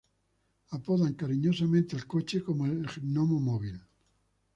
Apodan cariñosamente al coche como el Gnomo-móvil.